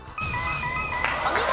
お見事！